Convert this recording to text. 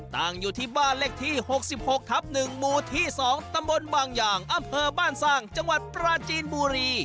ตั้งอยู่ที่บ้านเลขที่๖๖ทับ๑หมู่ที่๒ตำบลบางอย่างอำเภอบ้านสร้างจังหวัดปราจีนบุรี